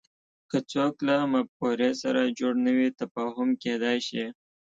که څوک له مفکورې سره جوړ نه وي تفاهم کېدای شي